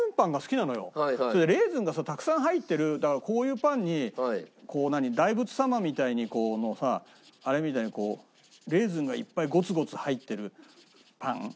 レーズンがさたくさん入ってるこういうパンにこう大仏様みたいにこのさあれみたいにレーズンがいっぱいゴツゴツ入ってるパン。